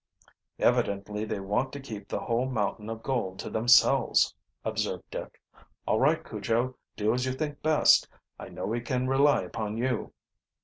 "Evidently they want to keep the whole mountain of gold to themselves," observed Dick. "All right, Cujo, do as you think best I know we can rely upon you."